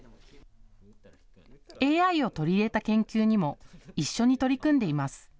ＡＩを取り入れた研究にも一緒に取り組んでいます。